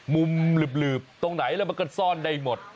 หลืบตรงไหนแล้วมันก็ซ่อนได้หมด